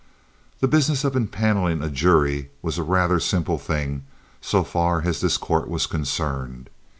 The business of impaneling a jury was a rather simple thing so far as this court was concerned.